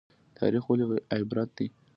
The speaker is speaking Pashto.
تاریخ ولې عبرت دی؟